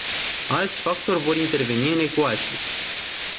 Alți factori vor interveni în ecuație.